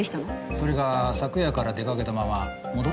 それが昨夜から出かけたまま戻ってきてないんです。